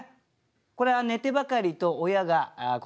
これは「寝てばかりと親がこどもの日」。